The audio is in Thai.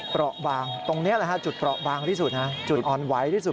บางตรงนี้แหละฮะจุดเปราะบางที่สุดนะจุดอ่อนไหวที่สุด